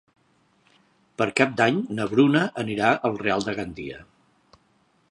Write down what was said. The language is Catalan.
Per Cap d'Any na Bruna anirà al Real de Gandia.